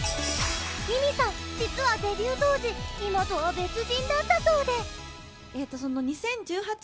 みみさん実はデビュー当時今とは別人だったそうで。